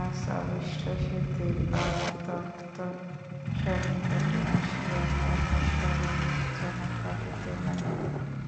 আজ অভীষ্টসিদ্ধির অত্যন্ত সন্নিকটে আসিয়া তাহার সর্বাঙ্গ যেন কাঁপিতে লাগিল।